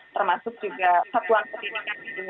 termasuk juga satuan pendidikan